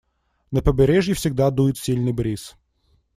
На побережье всегда дует сильный бриз.